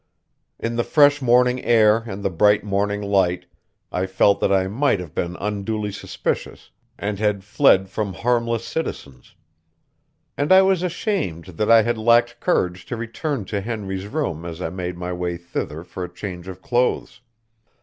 In the fresh morning air and the bright morning light, I felt that I might have been unduly suspicious and had fled from harmless citizens; and I was ashamed that I had lacked courage to return to Henry's room as I made my way thither for a change of clothes.